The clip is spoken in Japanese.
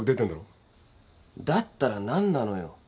だったら何なのよ。